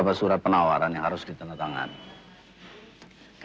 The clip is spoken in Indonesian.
kalian punya jualan beli supplies stensil besar nobody